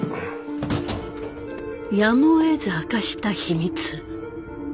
やむをえず明かした秘密。